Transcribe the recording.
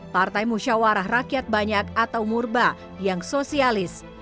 partai musyawarah rakyat banyak atau murba yang sosialis